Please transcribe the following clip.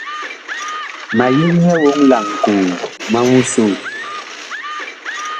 Ma yig nyɛ woŋ laŋkoo, ma mu soo.